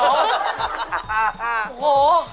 โอ้โห